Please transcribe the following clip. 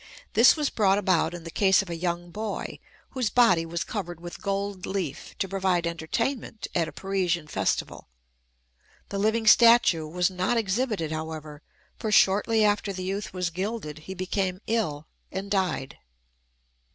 This was brought about in the case of a young boy whose body was covered with gold leaf to provide entertainment at a Parisian festival. The living statue was not exhibited, however, for shortly after the youth was gilded he became ill and died.